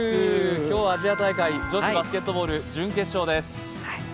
今日、アジア大会、女子バスケットボール、準決勝です。